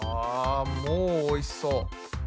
あもうおいしそう。